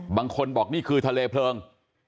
บางคนบอกนี่คือทะเลเพลิง